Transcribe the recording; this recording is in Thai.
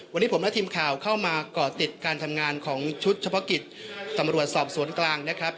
วันนี้ผมและทีมข่าวเข้ามาก่อติดการทำงานของชุดเฉพาะกิจตำรวจสอบสวนกลางนะครับ